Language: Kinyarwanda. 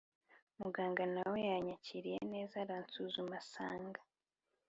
Muganga na we yanyakiriye neza, aransuzuma asanga